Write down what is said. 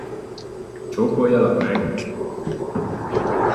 Csókoljalak meg?